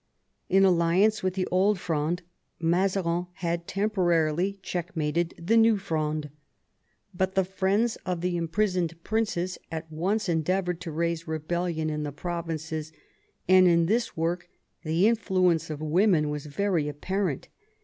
In alliance with the Old Fronde Mazarin had temporarily checkmated the New Fronde. But the friends of the imprisoned princes at once endeavoured to raise rebellion in the provinces, and in this work the influence of women was very apparent.